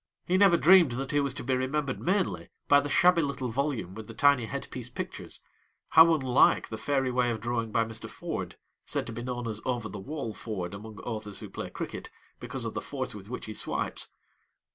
He never dreamed that he was to be remembered mainly by the shabby little volume with the tiny headpiece pictures how unlike the fairy way of drawing by Mr. Ford, said to be known as 'Over the wall Ford' among authors who play cricket, because of the force with which he swipes!